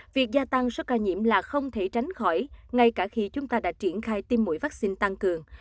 việc gia tăng số ca nhiễm là không thể tránh khỏi ngay cả khi chúng ta đã triển khai tiêm mũi vaccine tăng cường